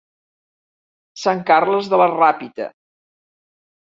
St Carles de la Ràpita.